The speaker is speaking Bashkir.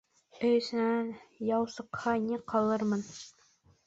Өй эсенән яу сыҡһа, ни ҡылырмын?